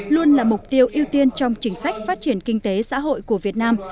luôn là mục tiêu ưu tiên trong chính sách phát triển kinh tế xã hội của việt nam